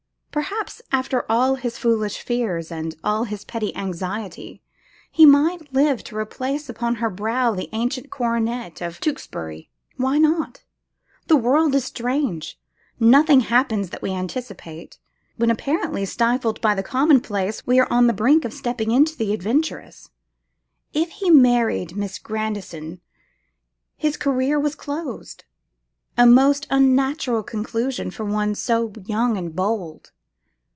Perhaps, after all his foolish fears and all his petty anxiety, he might live to replace upon her brow the ancient coronet of Tewkesbury! Why not? The world is strange; nothing happens that we anticipate: when apparently stifled by the common place, we are on the brink of stepping into the adventurous. If he married Miss Grandison, his career was closed: a most unnatural conclusion for one so young and bold.